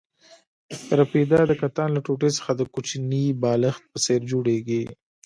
رپیده د کتان له ټوټې څخه د کوچني بالښت په څېر جوړېږي.